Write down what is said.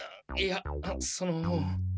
いやその。